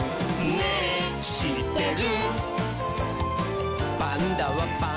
「ねぇしってる？」